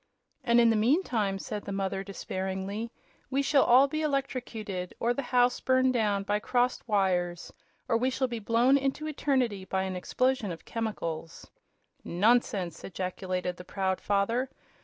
"And in the meantime," said the mother, despairingly, "we shall all be electrocuted, or the house burned down by crossed wires, or we shall be blown into eternity by an explosion of chemicals!" "Nonsense!" ejaculated the proud father.